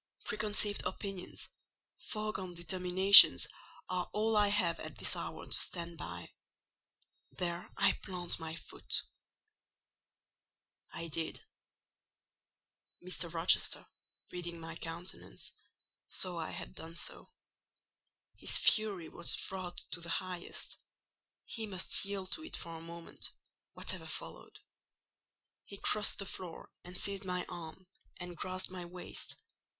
Preconceived opinions, foregone determinations, are all I have at this hour to stand by: there I plant my foot." I did. Mr. Rochester, reading my countenance, saw I had done so. His fury was wrought to the highest: he must yield to it for a moment, whatever followed; he crossed the floor and seized my arm and grasped my waist.